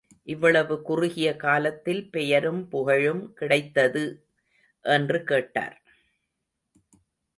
இவ்வளவு குறுகிய காலத்தில் பெயரும் புகழும் கிடைத்தது? என்று கேட்டார்.